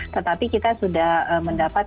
tetapi kita sudah mendapatkan